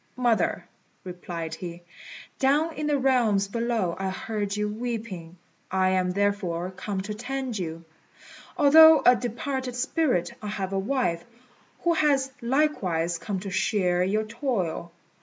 "Mother," replied he, "down in the realms below I heard you weeping. I am therefore come to tend you. Although a departed spirit, I have a wife, who has likewise come to share your toil.